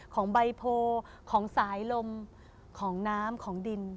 ของใบโพของสายลมของน้ำของดิน